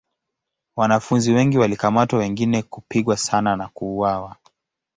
Wanafunzi wengi walikamatwa wengine kupigwa sana na kuuawa.